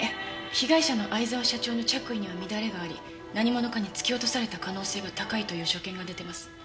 被害者の逢沢社長の着衣には乱れがあり何者かに突き落とされた可能性が高いという所見が出てます。